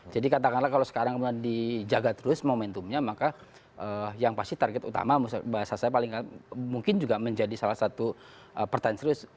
jadi katakanlah kalau sekarang di jaga terus momentumnya maka yang pasti target utama bahasa saya paling mungkin juga menjadi salah satu pertanyaan serius